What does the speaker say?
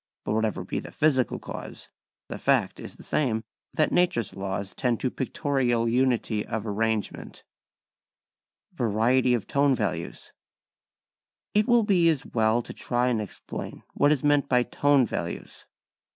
But whatever be the physical cause, the fact is the same, that nature's laws tend to pictorial unity of arrangement. [Sidenote: Variety of Tone Values] It will be as well to try and explain what is meant by tone values.